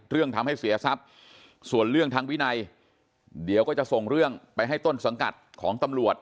เรื่องทำให้เสียทรัพย์ส่วนเรื่องทางวินัยเดี๋ยวก็จะส่งเรื่องไปให้ต้นสังกัดของตำรวจ